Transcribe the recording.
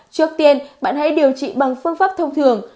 trước tiên bạn hãy điều trị bằng phương pháp thông thường